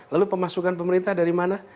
lalu pemasukan pemerintah dari mana